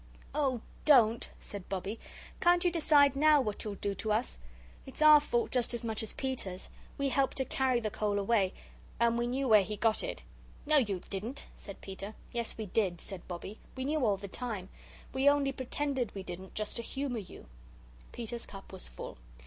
"Oh, DON'T!" said Bobbie. "Can't you decide NOW what you'll do to us? It's our fault just as much as Peter's. We helped to carry the coal away and we knew where he got it." "No, you didn't," said Peter. "Yes, we did," said Bobbie. "We knew all the time. We only pretended we didn't just to humour you." Peter's cup was full.